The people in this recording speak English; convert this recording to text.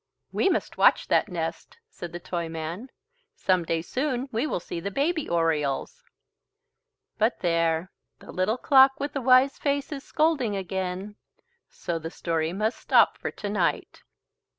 "We must watch that nest," said the Toyman. "Some day soon we will see the baby orioles." But there the Little Clock with the Wise Face is scolding again. So the story must stop for tonight.